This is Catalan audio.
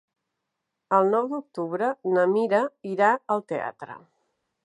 El nou d'octubre na Mira irà al teatre.